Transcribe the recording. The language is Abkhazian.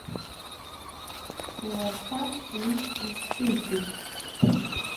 Леуарсан уи изҿиҭит.